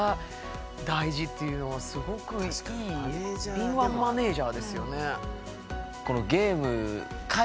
敏腕マネージャーですよね。